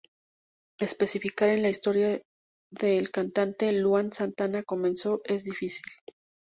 Especificar en la historia de el cantante Luan Santana comenzó es difícil.